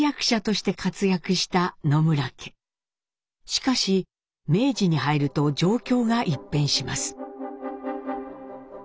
しかし明治に入ると状況が一変します。